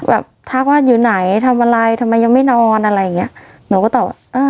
ทักว่าอยู่ไหนทำอะไรทำไมยังไม่นอนอะไรอย่างเงี้ยหนูก็ตอบว่าเออ